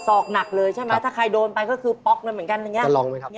ออกหนักเลยใช่ไหมถ้าใครโดนไปก็คือป๊อกหน่อยเหมือนกัน